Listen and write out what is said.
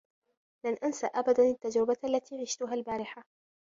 لن أنس أبدا التّجربة التي عشتها البارحة.